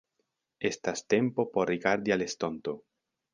Estas tempo por rigardi al estonto.